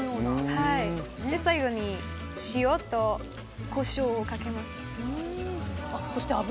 最後に塩とコショウをかけます。